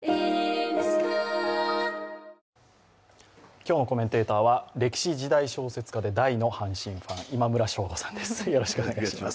今日のコメンテーターは歴史・時代小説家で大の阪神ファン、今村翔吾さんです、よろしくお願いします。